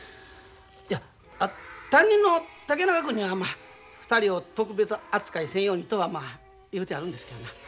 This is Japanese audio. いや担任の竹中君にはまあ２人を特別扱いせんようにとはまあ言うてあるんですけどな。